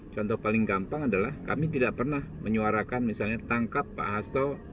contoh paling gampang adalah kami tidak pernah menyuarakan misalnya tangkap pak hasto